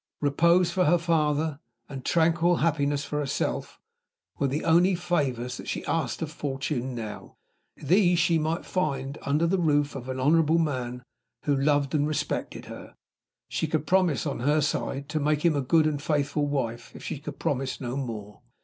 Repose for her father, and tranquil happiness for herself, were the only favors that she asked of fortune now. These she might find under the roof of an honorable man who loved and respected her. She could promise, on her side, to make him a good and faithful wife, if she could promise no more.